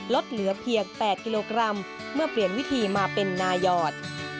ลดเหลือเพียง๘กิโลกรัมเมื่อเปลี่ยนวิธีมาเป็นนายอด